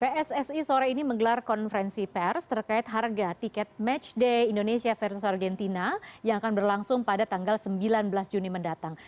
pssi sore ini menggelar konferensi pers terkait harga tiket matchday indonesia versus argentina yang akan berlangsung pada tanggal sembilan belas juni mendatang